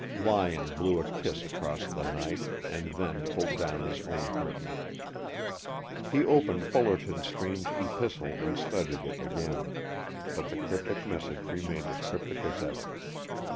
Lyon blew a kiss across the night, and then pulled down his own curtain. He opened Fullerton's strange epistle and studied it again, but the cryptic message remained as cryptic as ever.